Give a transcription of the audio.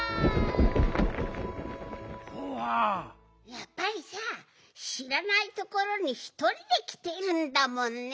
やっぱりさしらないところにひとりできてるんだもんね。